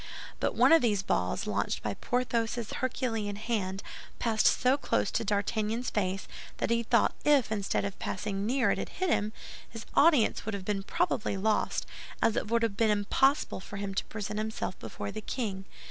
But one of these balls, launched by Porthos' herculean hand, passed so close to D'Artagnan's face that he thought that if, instead of passing near, it had hit him, his audience would have been probably lost, as it would have been impossible for him to present himself before the king.